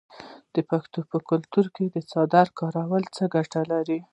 د پښتنو په کلتور کې د څادر کارول څو ګټې لري.